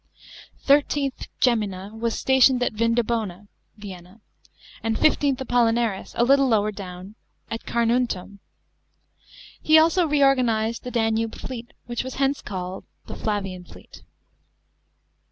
XIII. Gemina was stationed at Vindobona (Vienna), and XV. Apollinaris a little lower down, at Carnuntum. He also reorganised the Danube fleet, which was hence called the " Flavian fleet."